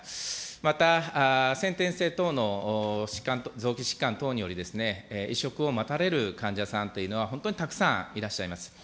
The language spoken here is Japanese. また、先天性等の疾患、臓器疾患等により移殖を待たれる患者さんというのは本当にたくさんいらっしゃいます。